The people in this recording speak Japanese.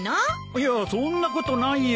いやそんなことないよ。